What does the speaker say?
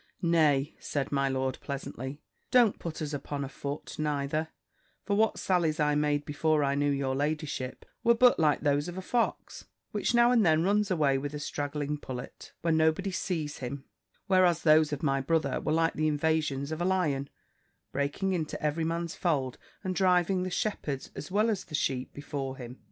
"Nay," said my lord pleasantly, "don't put us upon a foot, neither: for what sallies I made before I knew your ladyship, were but like those of a fox, which now and then runs away with a straggling pullet, when nobody sees him, whereas those of my brother were like the invasions of a lion, breaking into every man's fold, and driving the shepherds, as well as the sheep, before him."